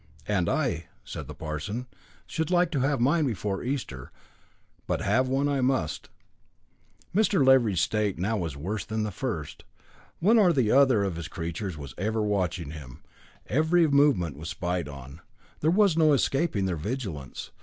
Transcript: "And I," said the parson, "should like to have mine before Easter, but have one I must." Mr. Leveridge's state now was worse than the first. One or other of his creatures was ever watching him. His every movement was spied on. There was no escaping their vigilance.